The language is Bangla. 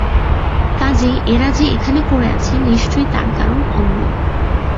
কাজেই এরা যে এখানে পড়ে আছে, নিশ্চয়ই তার কারণ অন্য।